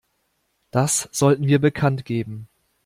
Das sollten wir bekanntgeben.